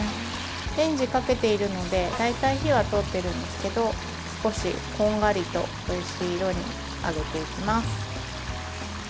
レンジにかけているので大体火は通っているんですけど少し、こんがりとおいしい色に揚げていきます。